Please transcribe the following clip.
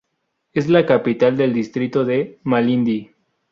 Es la capital del distrito de Malindi.